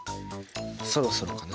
そろそろかな？